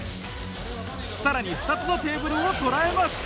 更に２つのテーブルを捉えました。